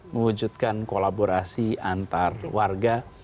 memwujudkan kolaborasi antar warga